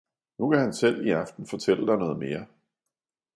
nu kan han selv i aften fortælle dig noget mere!